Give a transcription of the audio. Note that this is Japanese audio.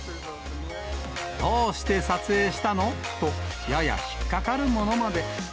どうして撮影したの？と、やや引っ掛かるものまで。